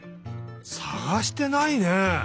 さがしてないね。